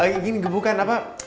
ini bukan apa